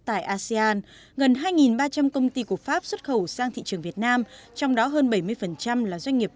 tại asean gần hai ba trăm linh công ty của pháp xuất khẩu sang thị trường việt nam trong đó hơn bảy mươi là doanh nghiệp